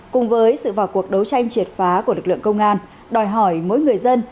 cùng với sự vào cuộc đấu tranh triệt phá của lực lượng công an đòi hỏi mỗi người dân